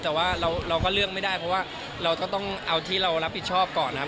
แต่ว่าเราก็เลือกไม่ได้เพราะว่าเราก็ต้องเอาที่เรารับผิดชอบก่อนนะครับ